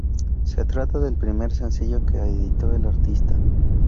Se trata del primer sencillo que editó el artista.